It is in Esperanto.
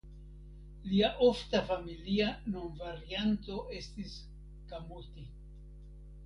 Lia ofta familia nomvarianto estis Kamuti.